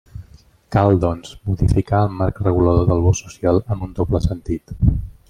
Cal, doncs, modificar el marc regulador del bo social en un doble sentit.